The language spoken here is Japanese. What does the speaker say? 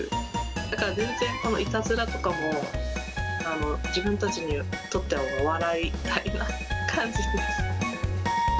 だから全然、いたずらとかも、自分たちにとってはお笑いみたいな感じですね。